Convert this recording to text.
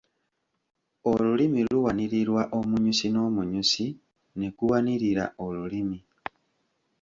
Olulimi luwanirirwa omunyusi n’omunyusi ne guwanirira olulimi.